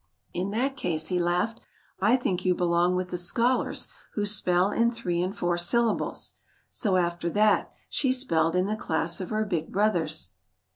"In that case," he laughed, "I think you belong with the scholars who spell in three and four syllables." So after that, she spelled in the class of her big brothers.